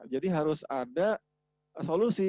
jadi harus ada solusi